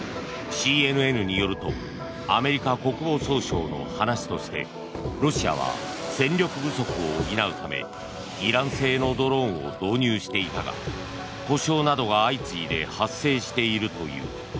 ＣＮＮによるとアメリカ国防総省の話としてロシアは戦力不足を補うためイラン製のドローンを導入していたが故障などが相次いで発生しているという。